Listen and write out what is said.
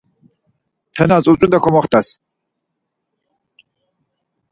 Tenas utzvi do komoxt̆as.